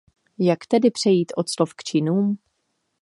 Jak tedy přejít od slov k činům?